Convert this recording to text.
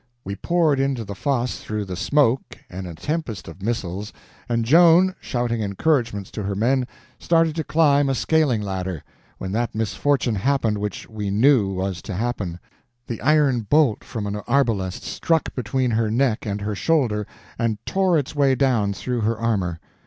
We poured into the fosse through the smoke and a tempest of missiles, and Joan, shouting encouragements to her men, started to climb a scaling ladder, when that misfortune happened which we knew was to happen—the iron bolt from an arbaquest struck between her neck and her shoulder, and tore its way down through her armor.